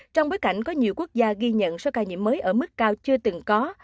trong bối cảnh có nhiều quốc gia ghi nhận số ca nhiễm mới ở mức cao chưa từng có